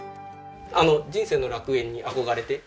『人生の楽園』に憧れて。